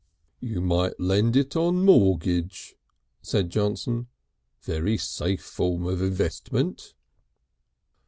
"You might lend it on mortgage," said Johnson. "Very safe form of investment."